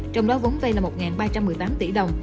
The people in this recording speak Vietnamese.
trong đó vốn vay là một ba trăm một mươi tám tỷ đồng